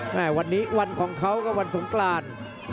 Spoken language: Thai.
แม่วันนี้วันของเขาก็วันสงกราน